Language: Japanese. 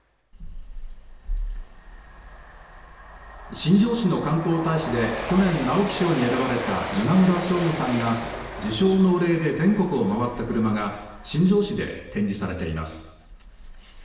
新庄市の観光大使で去年、直木賞に選ばれた今村翔吾さんが受賞のお礼で全国を回った車が新庄市で展示されています。